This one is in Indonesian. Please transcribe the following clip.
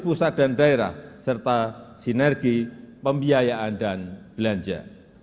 pusat dan daerah serta sinergi pembiayaan dan belanja